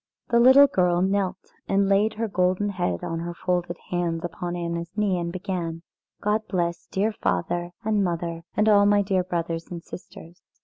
The little girl knelt and laid her golden head on her folded hands upon Anna's knee and began: "God bless dear father, and mother, and all my dear brothers and sisters."